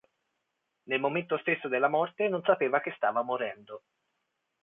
Nel momento stesso della morte, non sapeva che stava morendo.